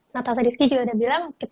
natata diski juga udah bilang